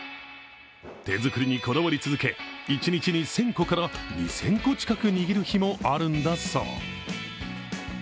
手作りにこだわり続け、１日に１０００個から２０００個近く握る日もあるんだそう。